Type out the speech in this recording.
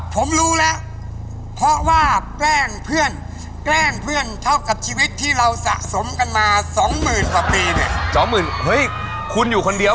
เพราะถ้าเกิดพี่ป๊อปเขาเปลี่ยนใจไปแล้วเนี่ย